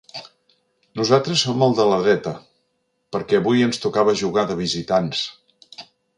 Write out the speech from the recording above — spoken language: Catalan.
Nosaltres som el de la dreta, perquè avui ens tocava jugar de visitants.